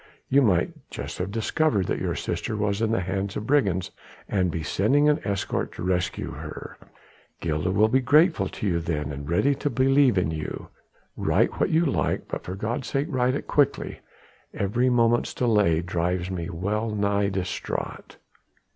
You might just have discovered that your sister was in the hands of brigands, and be sending an escort to rescue her; Gilda will be grateful to you then and ready to believe in you. Write what you like, but for God's sake write quickly. Every moment's delay drives me well nigh distraught."